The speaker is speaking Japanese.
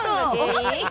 はい。